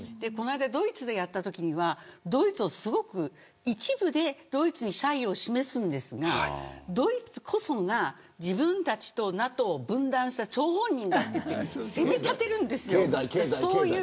この間、ドイツでやったときにはドイツをすごく、一部でドイツに謝意を示すんですがドイツこそが自分たちとＮＡＴＯを分断した張本人だって責めたてるんですよ。